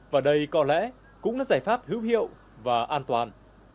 và đây có lẽ cũng là giải pháp hữu hiệu và an toàn